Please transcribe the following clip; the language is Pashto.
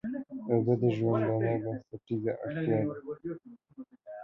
اوبه د ژوندانه بنسټيزه اړتيا ده.